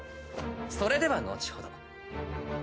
それでは後ほど。